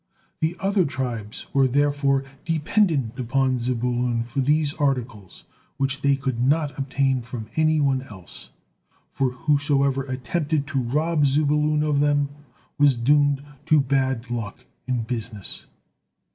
The other tribes were therefore dependent upon Zebulun for these articles, which they could not obtain from any one else, for whosoever attempted to rob Zebulun of them, was doomed to bad luck in business.